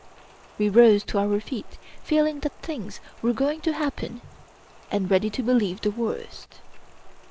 We rose to our feet, feeling that things were going to happen and ready to believe the worst.